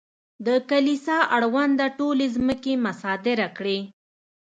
د کلیسا اړونده ټولې ځمکې مصادره کړې.